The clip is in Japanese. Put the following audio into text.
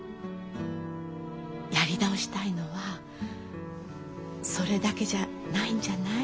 やり直したいのはそれだけじゃないんじゃない？